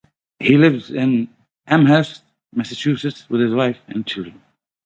He lives in Amherst, Massachusetts with his wife and children.